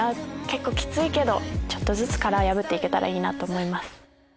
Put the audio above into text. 結構きついけどちょっとずつ殻破って行けたらなと思います。